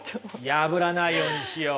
破らないようにしよう。